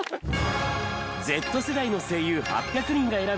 Ｚ世代の声優８００人が選ぶ！